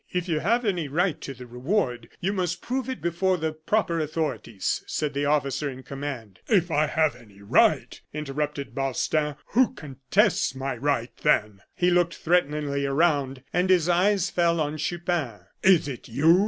"If you have any right to the reward, you must prove it before the proper authorities," said the officer in command. "If I have any right!" interrupted Balstain; "who contests my right, then?" He looked threateningly around, and his eyes fell on Chupin. "Is it you?"